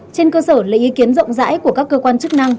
trên cơ sở lấy ý kiến rộng rãi của các cơ quan chức năng